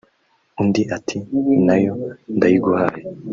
" Undi ati "Na yo ndayiguhaye